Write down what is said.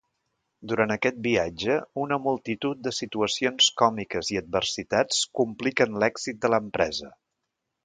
Durant aquest viatge, una multitud de situacions còmiques i adversitats compliquen l'èxit de l'empresa.